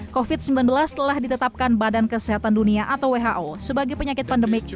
covid sembilan belas telah ditetapkan badan kesehatan dunia atau who sebagai penyakit pandemik